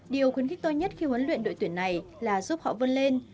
điều khuyến khích tôi nhất khi huấn luyện đội tuyển này là giúp họ vươn lên